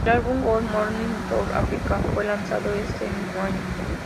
El álbum "Good Morning South Africa" fue lanzado ese mismo año.